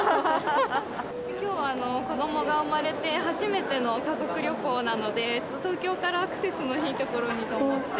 きょうは子どもが生まれて初めての家族旅行なので、ちょっと東京からアクセスのいい所にと思って。